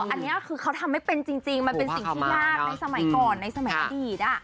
อันนี้คือเขาทำไม่เป็นจริงมันเป็นสิ่งที่ยากในสมัยก่อนในสมัยอดีต